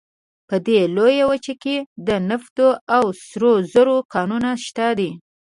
په دې لویه وچه کې د نفتو او سرو زرو کانونه شته دي.